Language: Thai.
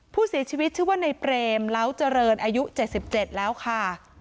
ผู้เสียชีวิตชื่อว่าในเปรมเล้าเจริญอายุ๗๗แล้วค่ะ